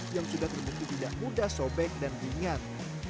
yang sudah terbukti tidak mudah sobek dan ringan